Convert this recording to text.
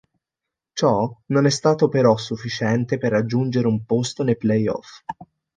Ciò non è stato però sufficiente per raggiungere un posto nei playoff.